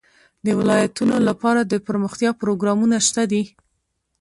د ولایتونو لپاره دپرمختیا پروګرامونه شته دي.